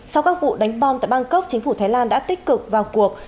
sau các vụ đánh bom tại bangkok chính phủ thái lan đã tích cực vào cuộc